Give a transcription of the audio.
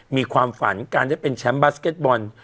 มีความฝันการได้เป็นแชมป์บาสเก็ตบอล